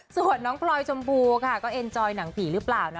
ส่วนน้องพลอยชมพูค่ะก็เอ็นจอยหนังผีหรือเปล่านะ